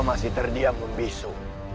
masih terdiam membisu